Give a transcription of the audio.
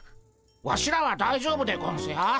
ワシらは大丈夫でゴンスよ。